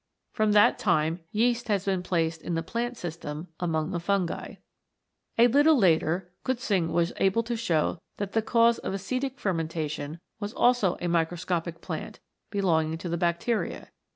From that time yeast has been placed in the plant system among the fungi. A little later Kutzing was able to show that the cause of acetic fermentation was also a microscopic plant, be longing to the bacteria.